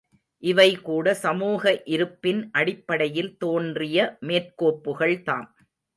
இவை கூட சமூக இருப்பின் அடிப்படையில் தோன்றிய மேற்கோப்புகள்தாம்.